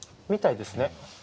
みたいですね。